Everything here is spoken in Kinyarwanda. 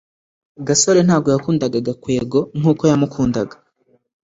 gasore ntabwo yakundaga gakwego nkuko yamukundaga